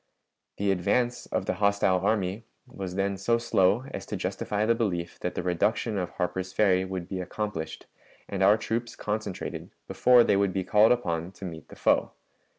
The advance of the hostile army was then so slow as to justify the belief that the reduction of Harper's Ferry would be accomplished and our troops concentrated before they would be called upon to meet the foe.